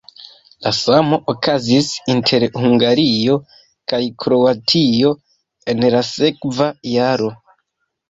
La samo okazis inter Hungario kaj Kroatio en la sekva jaro.